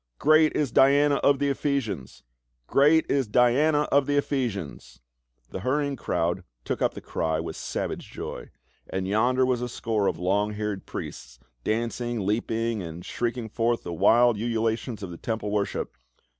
" Great is Diana of the Ephesians ! Great is Diana of the Ephesians!" The hurrying crowds took up the cry with savage joy. And yonder was a score of long haired priests, dancing, leaping, and shrieking forth the wild ululatus of the temple worship.